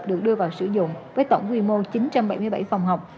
được đưa vào sử dụng với tổng quy mô chín trăm bảy mươi bảy phòng học